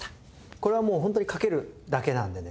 これはもうホントにかけるだけなのでね